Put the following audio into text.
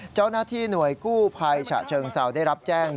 เจ้าหน้าที่หน่วยกู้ภัยฉะเชิงเซาได้รับแจ้ง